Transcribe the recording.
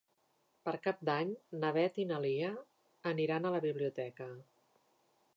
Per Cap d'Any na Beth i na Lia aniran a la biblioteca.